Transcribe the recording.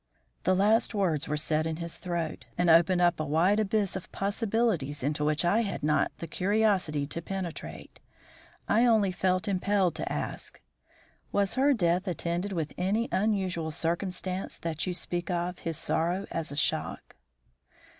The last words were said in his throat, and opened up a wide abyss of possibilities into which I had not the curiosity to penetrate. I only felt impelled to ask: "Was her death attended with any unusual circumstance that you speak of his sorrow as a shock?"